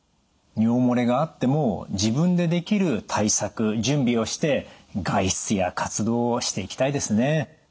尿漏れがあっても自分でできる対策準備をして外出や活動をしていきたいですね。